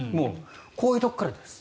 こういうところからです。